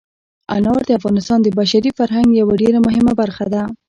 انار د افغانستان د بشري فرهنګ یوه ډېره مهمه برخه ده.